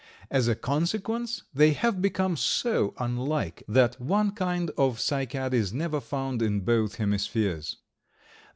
As a consequence they have become so unlike that one kind of Cycad is never found in both hemispheres.